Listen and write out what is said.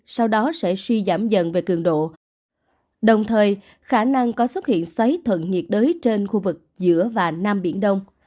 sau đó sẽ suy giảm dần về cường độ đồng thời khả năng có xuất hiện xoáy thuận nhiệt đới trên khu vực giữa và nam biển đông